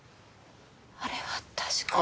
あれは確か。